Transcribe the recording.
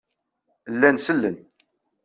Llan sellen.